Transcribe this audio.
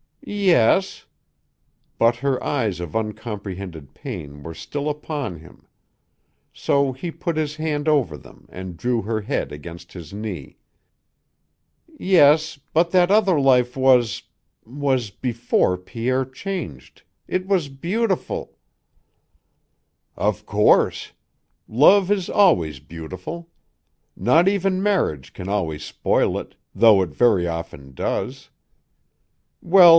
"Yes." But her eyes of uncomprehended pain were still upon him. So he put his hand over them and drew her head against his knee. "Yes, but that other life was was before Pierre changed, it was beautiful " "Of course. Love is always beautiful. Not even marriage can always spoil it, though it very often does.